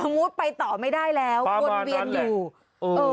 มุดไปต่อไม่ได้แล้ววนเวียนอยู่เออ